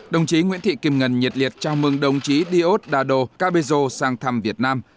đồng chí nguyễn thị kim ngân nhiệt liệt chào mừng đồng chí diosdado cabezo sang thăm việt nam